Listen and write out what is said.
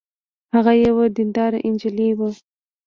هغه یوه دینداره نجلۍ وه